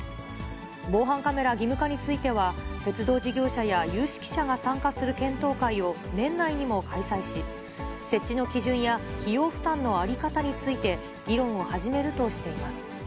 防犯カメラ義務化については、鉄道事業者や有識者が参加する検討会を、年内にも開催し、設置の基準や費用負担の在り方について、議論を始めるとしています。